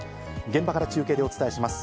現場から中継でお伝えします。